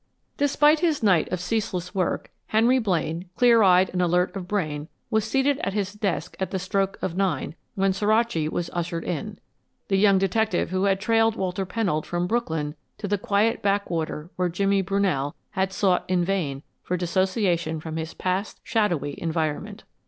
Despite his night of ceaseless work, Henry Blaine, clear eyed and alert of brain, was seated at his desk at the stroke of nine when Suraci was ushered in the young detective who had trailed Walter Pennold from Brooklyn to the quiet backwater where Jimmy Brunell had sought in vain for disassociation from his past shadowy environment.